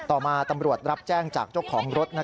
ต่อมาตำรวจรับแจ้งจากเจ้าของรถ